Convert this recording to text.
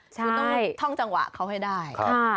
ช่วยต้องท่องจังหวะเค้าให้ได้